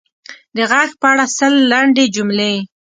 د ږغ په اړه سل لنډې جملې: